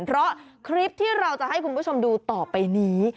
เพราะคลิปที่เราจะให้คุณผู้ชมดูต่อไปนี้